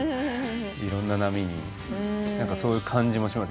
いろんな波に何かそういう感じもします。